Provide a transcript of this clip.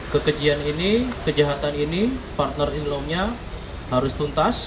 kekejian ini kejahatan ini partner in lone nya harus tuntas